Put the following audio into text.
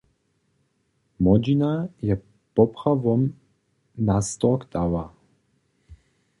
Młodźina je poprawom nastork dała.